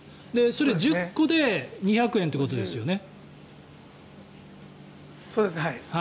それが１０個で２００円ってことですよね？